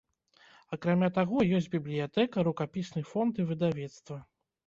Акрамя таго, ёсць бібліятэка, рукапісны фонд і выдавецтва.